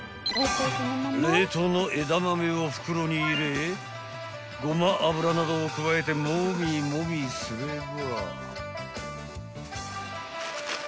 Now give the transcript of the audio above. ［冷凍のえだまめを袋に入れごま油などを加えてもみもみすれば］